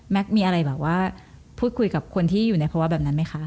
มีอะไรแบบว่าพูดคุยกับคนที่อยู่ในภาวะแบบนั้นไหมคะ